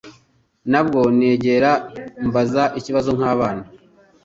Ntabwo nigera mbaza ikibazo nkabana.